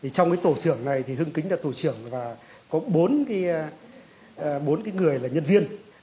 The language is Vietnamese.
trong tổ trưởng này thì hưng kính là tổ trưởng và có bốn người là nhân viên